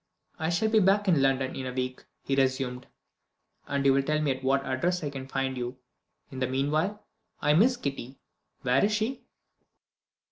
"I shall be back in London, in a week," he resumed, "and you will tell me at what address I can find you. In the meanwhile, I miss Kitty. Where is she?"